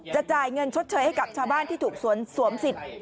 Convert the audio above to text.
จ่ายเงินชดเชยให้กับชาวบ้านที่ถูกสวมสิทธิ์